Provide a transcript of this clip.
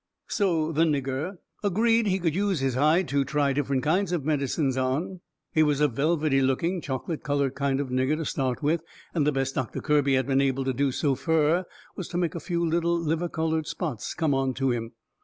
So the nigger agreed he could use his hide to try different kinds of medicines on. He was a velvety looking, chocolate coloured kind of nigger to start with, and the best Doctor Kirby had been able to do so fur was to make a few little liver coloured spots come onto him.